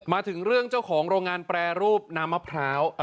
มาถึงเรื่องเจ้าของโรงงานแปรรูปน้ำมะพร้าว